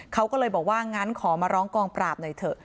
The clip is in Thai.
เขาก็เลยบอกว่างั้นขอมาร้องกองปราบหน่อยเถอะ